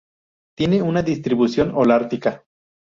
Tiene una distribución holártica.